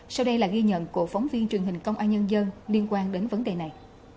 sau đây là ghi nhận của phóng viên truyền hình công an nhân dân liên quan đến vấn đề này